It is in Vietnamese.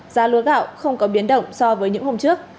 giá lúa gạo không có biến động so với những hôm trước